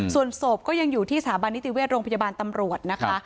ส่วนศพก็ยังอยู่ที่สถาบันนิติเวชโรงพยาบาลตำรวจนะคะ